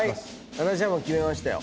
私はもう決めましたよ。